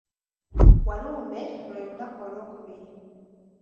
Walumbe lwe lunaku olwokubiri.